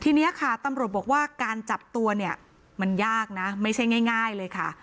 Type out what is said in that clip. ทีนี้ค่ะตำรวจบอกว่าการจับตัวเนี่ยมันยากนะไม่ใช่ง่ายเลยค่ะ